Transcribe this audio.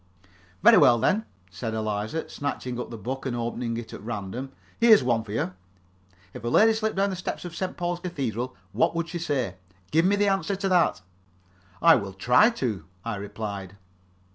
"Very well, then," said Eliza, snatching up the book and opening it at random, "here's one for you. 'If a lady slipped down the steps of St. Paul's Cathedral, what would she say?' Give me the answer to that." "I will try to," I replied.